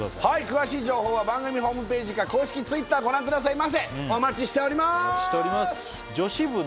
詳しい情報は番組ホームページか公式Ｔｗｉｔｔｅｒご覧くださいませお待ちしておりますお待ちしております